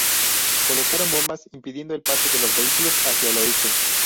Colocaron bombas impidiendo el paso de los vehículos hacia el oeste.